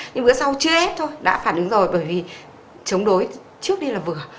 nhưng bữa sau chưa ép thôi đã phản ứng rồi bởi vì chống đối trước đi là vừa